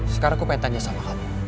sekarang aku pengen tanya sama kamu